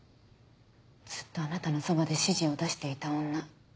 ずっとあなたのそばで指示を出していた女